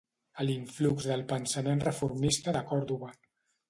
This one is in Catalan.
A l'influx del pensament reformista de Còrdova.